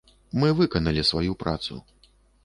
Мы выканалі сваю працу.